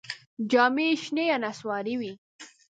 جامې یې شنې یا نسواري وې.